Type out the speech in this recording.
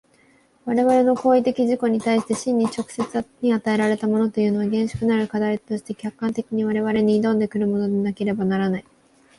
我々の行為的自己に対して真に直接に与えられたものというのは、厳粛なる課題として客観的に我々に臨んで来るものでなければならない。